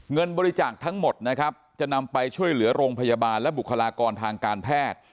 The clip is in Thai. เงินบริจาคทั้งหมดนะครับจะนำไปช่วยเหลือโรงพยาบาลและบุคลากรทางการแพทย์